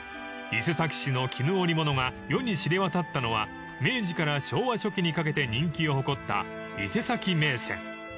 ［伊勢崎市の絹織物が世に知れ渡ったのは明治から昭和初期にかけて人気を誇った伊勢崎銘仙］